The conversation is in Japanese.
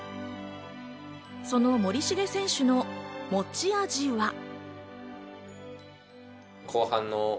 その森重選手の持ち味は。